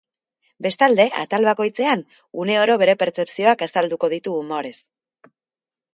Bestalde, atal bakoitzean, uneoro bere pertzepzioak azalduko ditu umorez.